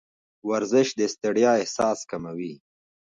ورزش د ستړیا احساس کموي.